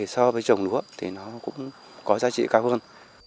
so với trồng lúa thì nó cũng có giá trị cao hơn